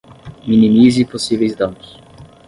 Minimize possíveis danos